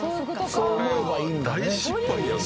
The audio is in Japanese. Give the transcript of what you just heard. そう思えばいいんだね。